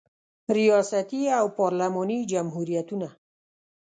ریاستي او پارلماني جمهوریتونه